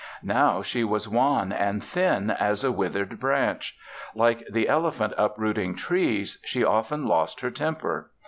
Now she was wan and thin as a withered branch. Like the elephant uprooting trees, she often lost her temper.